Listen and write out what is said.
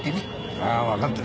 ああわかってる。